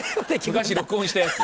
昔録音したやつ。